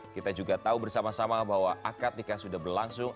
kita juga tahu bersama sama bahwa akad nikah sudah berlangsung